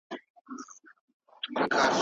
یادګارونه تل په زړونو کي ساتل کیږي.